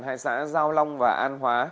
hai xã giao long và an hóa